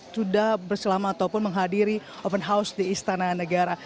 sudah berselama ataupun menghadiri open house di istana negara